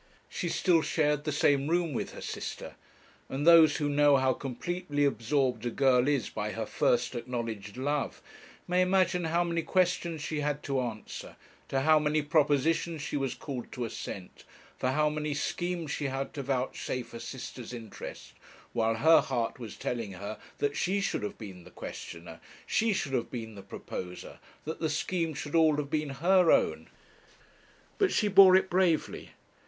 She still shared the same room with her sister; and those who know how completely absorbed a girl is by her first acknowledged love, may imagine how many questions she had to answer, to how many propositions she was called to assent, for how many schemes she had to vouchsafe a sister's interest, while her heart was telling her that she should have been the questioner, she should have been the proposer, that the schemes should all have been her own. But she bore it bravely.